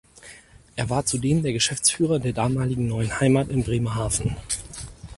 Er war zudem der Geschäftsführer der damaligen Neuen Heimat in Bremerhaven.